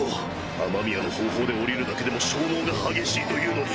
雨宮の方法で降りるだけでも消耗が激しいというのに。